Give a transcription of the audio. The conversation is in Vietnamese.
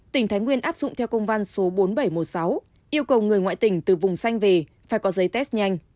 tỉnh thái nguyên áp dụng theo công văn số bốn nghìn bảy trăm một mươi sáu yêu cầu người ngoại tỉnh từ vùng xanh về phải có giấy test nhanh